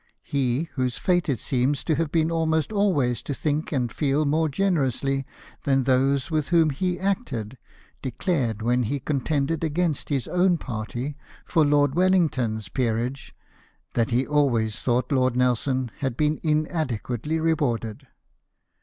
He, whose fate it seems to have been almost always to think and feel more generously than those with whom he acted, declared, when he con tended against his own party for Lord Wellington's peerage, that he always thought Lord Nelson had been inadequately rewarded.